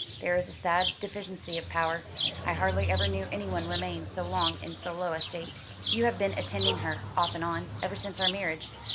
There is a sad deficiency of power. I hardly ever knew anyone remain so long in so low a state." "You have been attending her, off and on, ever since our marriage.